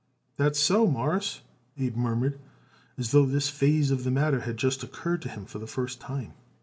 "That's so, Mawruss," Abe murmured, as though this phase of the matter had just occurred to him for the first time.